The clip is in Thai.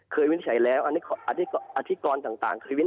เคยวินิจฉัยแล้วอธิกรต่าง